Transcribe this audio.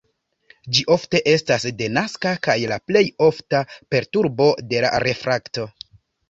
Ĝi ofte estas denaska kaj la plej ofta perturbo de la refrakto.